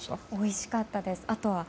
おいしかったです。